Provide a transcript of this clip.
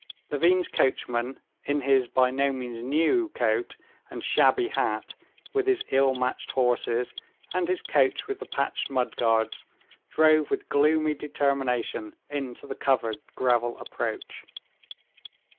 Levin's coachman, in his by no means new coat and shabby hat, with his ill matched horses and his coach with the patched mud guards, drove with gloomy determination into the covered gravel approach.